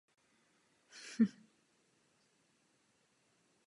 Další panovníci přesídlili na Pražský hrad a Vyšehrad pozbyl svého významu.